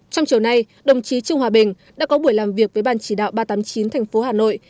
trong chiều nay đồng chí trung hòa bình đã có buổi làm việc với ban chỉ đạo ba trăm tám mươi chín tp hà nội